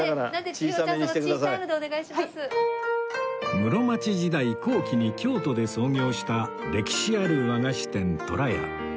室町時代後期に京都で創業した歴史ある和菓子店とらや